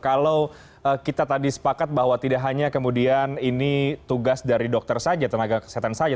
kalau kita tadi sepakat bahwa tidak hanya kemudian ini tugas dari dokter saja tenaga kesehatan saja